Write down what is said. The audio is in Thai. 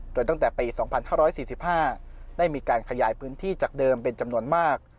โดยตั้งแต่ปีสองพันห้าร้อยสี่สิบห้าได้มีการขยายพื้นที่จากเดิมเป็นจำนวนมาก